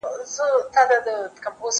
زه له سهاره د زده کړو تمرين کوم؟!